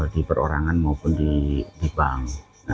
di perorangan maupun di bank